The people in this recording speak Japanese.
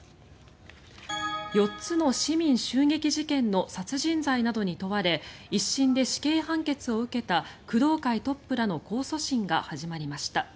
４つの市民襲撃事件の殺人罪などに問われ１審で死刑判決を受けた工藤会トップらの控訴審が始まりました。